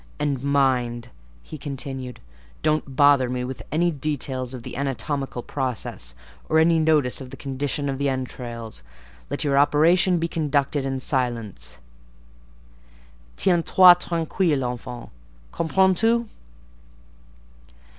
"And mind," he continued, "don't bother me with any details of the anatomical process, or any notice of the condition of the entrails: let your operation be conducted in silence: tiens toi tranquille, enfant; comprends tu?"